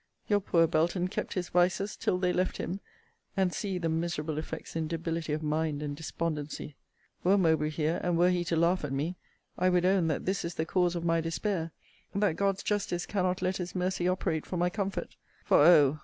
your poor Belton kept his vices, till they left him and see the miserable effects in debility of mind and despondency! Were Mowbray here, and were he to laugh at me, I would own that this is the cause of my despair that God's justice cannot let his mercy operate for my comfort: for, Oh!